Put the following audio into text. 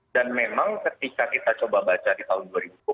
dan memang ketika kita coba baca di tahun dua ribu dua puluh dua